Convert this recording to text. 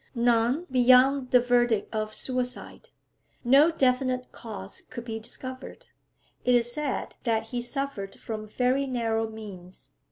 'None, beyond the verdict of suicide. No definite cause could be discovered. It is said that he suffered from very narrow means.